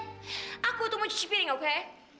as if aku tunggu cuci piring oke